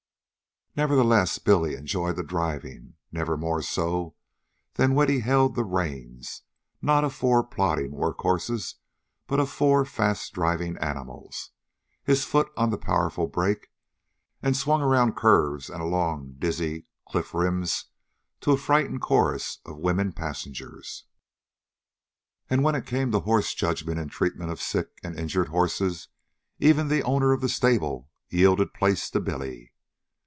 Nevertheless, Billy enjoyed the driving, never more so than when he held the reins, not of four plodding workhorses, but of four fast driving animals, his foot on the powerful brake, and swung around curves and along dizzy cliff rims to a frightened chorus of women passengers. And when it came to horse judgment and treatment of sick and injured horses even the owner of the stable yielded place to Billy.